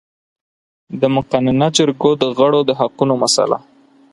د مقننه جرګو د غړو د حقونو مسئله